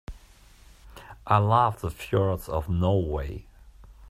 I love the fjords of Norway.